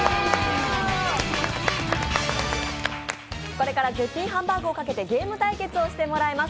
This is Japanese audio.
これから絶品ハンバーグをかけてゲーム対決をしてもらいます。